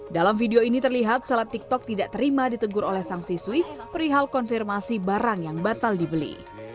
dalam video ini terlihat seleb tiktok tidak terima ditegur oleh sang siswi perihal konfirmasi barang yang batal dibeli